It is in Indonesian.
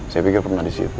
saya pikir pernah di situ